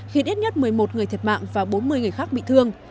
khiến ít nhất một mươi một người thiệt mạng và bốn mươi người khác bị thương